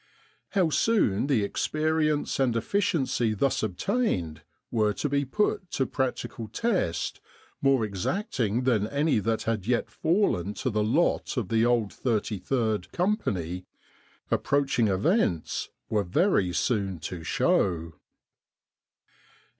How soon the experience and efficiency thus obtained were to be put to practical test, more exacting than any that had yet fallen to the lot of the old 33rd Company, approaching events were very soon to show.